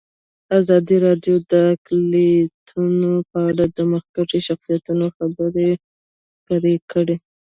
ازادي راډیو د اقلیتونه په اړه د مخکښو شخصیتونو خبرې خپرې کړي.